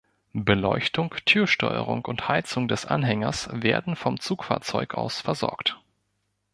Beleuchtung, Türsteuerung und Heizung des Anhängers werden vom Zugfahrzeug aus versorgt.